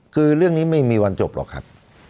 คือเรื่องนี้ไม่มีวันจบหรอกครับ